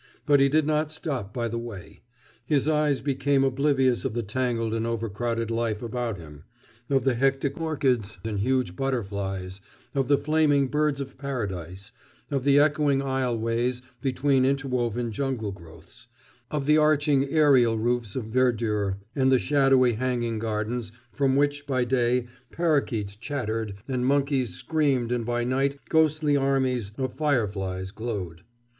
But he did not stop by the way. His eyes became oblivious of the tangled and overcrowded life about him, of the hectic orchids and huge butterflies and the flaming birds of paradise, of the echoing aisle ways between interwoven jungle growths, of the arching aërial roofs of verdure and the shadowy hanging gardens from which by day parakeets chattered and monkeys screamed and by night ghostly armies of fireflies glowed.